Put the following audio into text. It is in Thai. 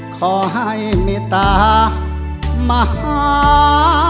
ขอให้เมตตามหา